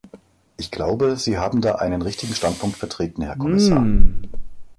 Ich glaube, Sie haben da einen richtigen Standpunkt vertreten, Herr Kommissar.